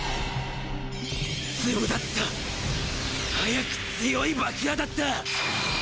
粒立った速く強い爆破だった！